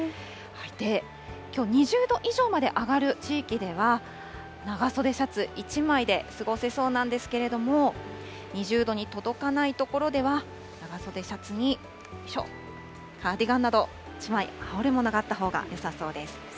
で、きょう２０度以上まで上がる地域では、長袖シャツ１枚で過ごせそうなんですけれども、２０度に届かない所では、長袖シャツにカーディガンなど、１枚羽織るものがあったほうがよさそうです。